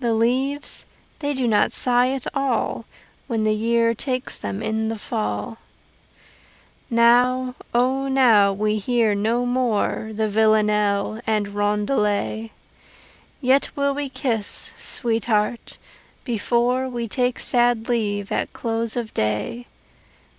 The leaves they do not sigh at all When the year takes them in the fall. Now, O now, we hear no more The vilanelle and roundelay! Yet will we kiss, sweetheart, before We take sad leave at close of day.